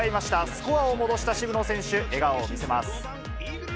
スコアを戻した渋野選手、笑顔を見せます。